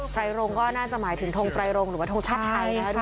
ไรรงก็น่าจะหมายถึงทงไตรรงหรือว่าทงชาติไทยนะคะ